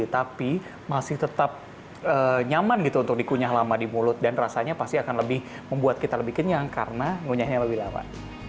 tapi masih tetap nyaman gitu untuk dikunyah lama di mulut dan rasanya pasti akan lebih membuat kita lebih kenyang karena ngunyahnya lebih lama